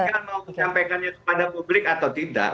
saya kan mau menyampaikannya kepada publik atau tidak